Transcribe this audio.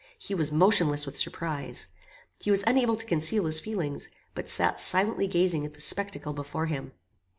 He was motionless with surprise. He was unable to conceal his feelings, but sat silently gazing at the spectacle before him.